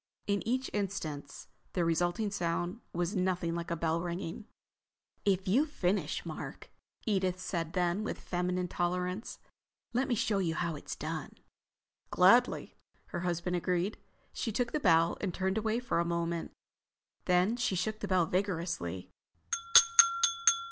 In each instance the resulting sound was nothing like a bell ringing. "If you've finished, Mark," Edith said then, with feminine tolerance, "let me show you how it's done." "Gladly," her husband agreed. She took the bell and turned away for a moment. Then she shook the bell vigorously.